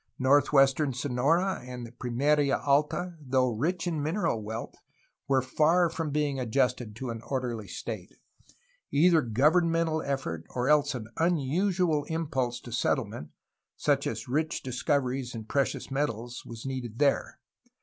Northeastern Sonora and Pimeria Alta, though rich in mineral wealth, were far from being adjusted to an orderly state; either governmental effort or else an un usual impulse to settlement, such as rich discoveries in precious metals, was needed there.